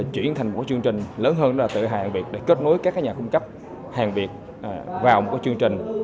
chuyển thành một chương trình lớn hơn là tựa hàng việc để kết nối các nhà cung cấp hàng việc vào một chương trình